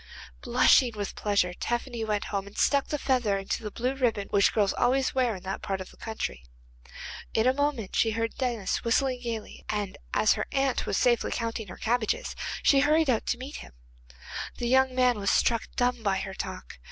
Blushing with pleasure Tephany went home and stuck the feather into the blue ribbon which girls always wear in that part of the country. In a moment she heard Denis whistling gaily, and as her aunt was safely counting her cabbages, she hurried out to meet him. The young man was struck dumb by her talk.